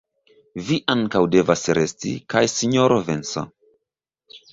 Vi ankaŭ devas resti, kaj sinjoro Vincent.